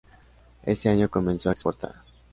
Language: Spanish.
Ese año comenzó a exportar.